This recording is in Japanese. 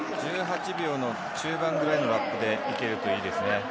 １８秒の中盤くらいのラップでいけるといいですね。